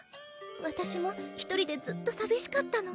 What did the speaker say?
私も一人でずっとさびしかったの。